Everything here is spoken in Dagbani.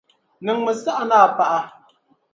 Niŋmi siɣa ni a paɣa.